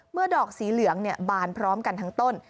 ดอกสีเหลืองบานพร้อมกันทั้งต้น